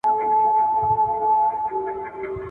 خپل عمل ورسره وړي خپل کردګار ته